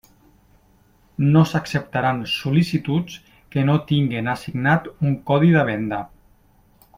No s'acceptaran sol·licituds que no tinguen assignat un codi de venda.